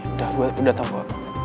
udah gue udah tau